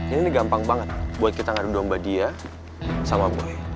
ini gampang banget buat kita ngadu domba dia sama mbak